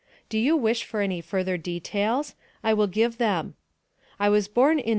Do you wish for any further details? I will give them. I was born in No.